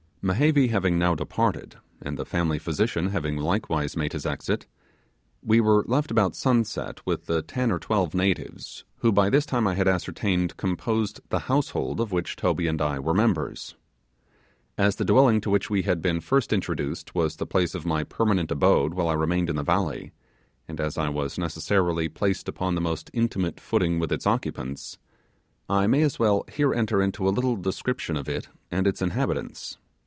Mehevi having now departed, and the family physician having likewise made his exit, we were left about sunset with ten or twelve natives, who by this time I had ascertained composed the household of which Toby and I were members. As the dwelling to which we had been first introduced was the place of my permanent abode while I remained in the valley, and as I was necessarily placed upon the most intimate footing with its occupants, I may as well here enter into a little description of it and its inhabitants.